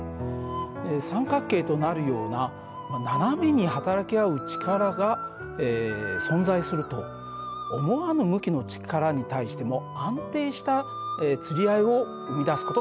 三角形となるような斜めに働き合う力が存在すると思わぬ向きの力に対しても安定したつり合いを生み出す事ができるんです。